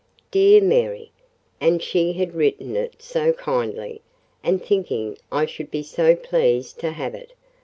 Dear Mary! and she had written it so kindly—and thinking I should be so pleased to have it!